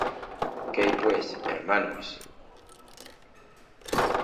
¿Qué hay pues, hermanos?